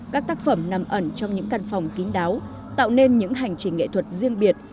các tác phẩm nằm ẩn trong những căn phòng kín đáo tạo nên những hành trình nghệ thuật riêng biệt